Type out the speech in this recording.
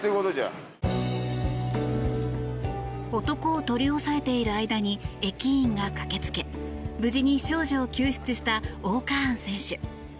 男を取り押さえている間に駅員が駆けつけ無事に少女を救出した−Ｏ−カーン選手。